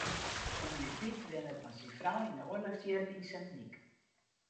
Dominee Pyt wennet mei syn frou yn de oarlochsjierren yn Sint Nyk.